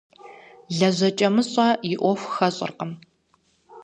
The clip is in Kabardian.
ЛэжьэкӀэмыщӀэ и Ӏуэху хэщӀыркъым.